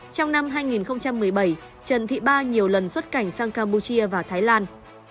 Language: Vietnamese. trong năm hai nghìn một mươi bảy trần thị ba nhiều lần xuất cảnh sang campuchia và thái lan